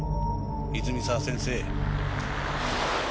泉沢先生。